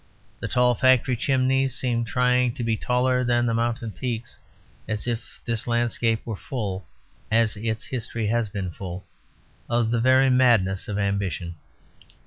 The tall factory chimneys seemed trying to be taller than the mountain peaks; as if this landscape were full (as its history has been full) of the very madness of ambition.